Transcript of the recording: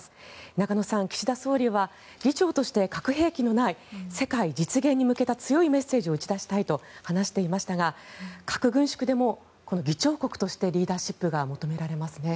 中野さん、岸田総理は議長として核兵器のない世界実現に向けた強いメッセージを打ち出したいと話していましたが核軍縮でも、議長国としてリーダーシップが求められますね。